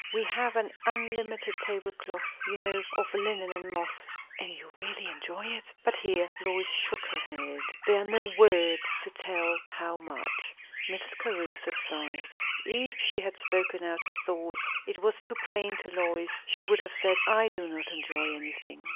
We have an unlimited tablecloth, you know, of lichen and moss." "And you really enjoy it?" But here Lois shook her head. "There are no words to tell how much." Mrs. Caruthers sighed. If she had spoken out her thoughts, it was too plain to Lois, she would have said, "I do not enjoy anything."